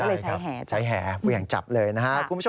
ก็เลยใช้แห่จ้ะใช้แห่ผู้อยากจับเลยนะครับคุณผู้ชม